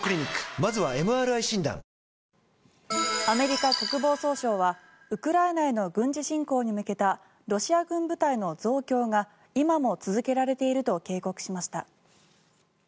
アメリカ国防総省はウクライナへの軍事侵攻に向けたロシア軍部隊の増強が今も続けられていると警告しました。